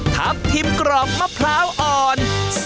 ทับทิมกรอบมะพร้าวอ่อน